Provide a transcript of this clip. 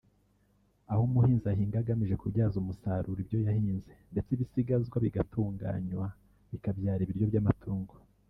aho umuhinzi ahinga agamije kubyaza umusaruro ibyo yahinze ndetse ibisigazwa bigatunganywa bikabyara ibiryo by’amatungo